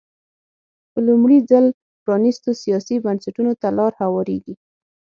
په لومړي ځل پرانېستو سیاسي بنسټونو ته لار هوارېږي.